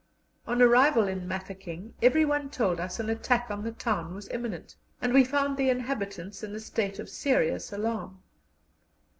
On arrival at Mafeking everyone told us an attack on the town was imminent, and we found the inhabitants in a state of serious alarm.